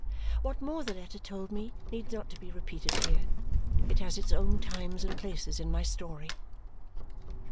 What more the letter told me needs not to be repeated here. It has its own times and places in my story.